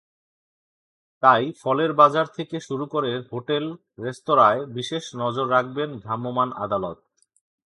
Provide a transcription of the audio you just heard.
তাই ফলের বাজার থেকে শুরু করে হোটেল-রেস্তোরাঁয় বিশেষ নজর রাখবেন ভ্রাম্যমাণ আদালত।